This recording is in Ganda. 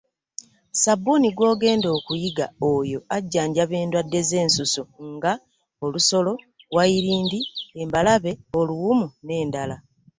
Ssabbuuni gw’ogenda okuyiga oyo ajjanjaba endwadde z’ensusu nga olusolo, wayirindi, embalabe, oluwumu n’endala.